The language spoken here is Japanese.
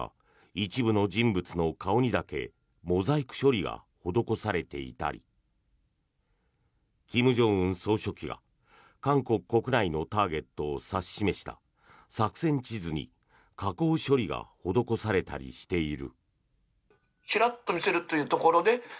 一部の人物の顔にだけモザイク処理が施されていたり金正恩総書記が韓国国内のターゲットを指し示した作戦地図に加工処理が施されたりしている。